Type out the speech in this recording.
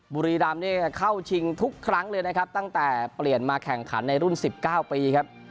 บุรีรำเนี่ยเข้าชิงทุกครั้งเลยนะครับตั้งแต่เปลี่ยนมาแข่งขันในรุ่น๑๙ปีครับ